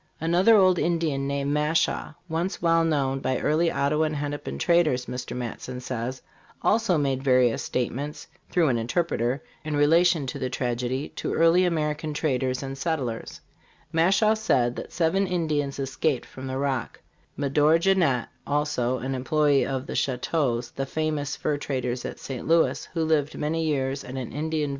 Another old Indian named Mashaw, once well known by early Ottawa and Hennepin traders, Mr Matson says, also made various statements, through an interpreter, in relation to the tragedy, to early American traders and settlers. Mashaw said that seven Indians es caped from the Rock Medore Jennette, also, an employe of the Chouteaus, the famous fur traders at St. Louis, who lived many years at an Indian vil *Ottawa Free Trader, September, 1873. t MATSON : "Pioneers of Illinois."